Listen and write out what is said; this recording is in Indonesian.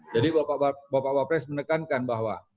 jadi bapak bapak pres menekankan bahwa